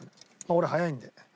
俺早いんで。